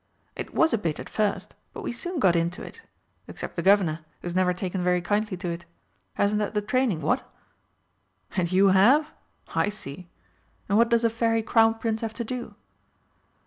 "It was a bit, at first, but we soon got into it. Except the Guv'nor, who's never taken very kindly to it hasn't had the training, what?" "And you have? I see. And what does a Fairy Crown Prince have to do?"